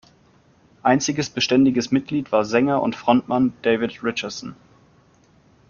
Einziges beständiges Mitglied war Sänger und Frontmann David Richardson.